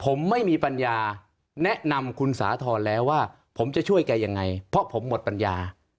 ผมไม่มีปัญญาแนะนำคุณสาธรณ์แล้วว่าผมจะช่วยแกยังไงเพราะผมหมดปัญญา